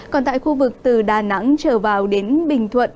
còn tại khu vực từ đà nẵng trở vào đến bình thuận